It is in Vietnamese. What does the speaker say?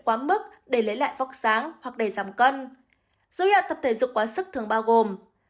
quá mức để lấy lại vóc dáng hoặc để giảm cân dấu hiệu tập thể dục quá sức thường bao gồm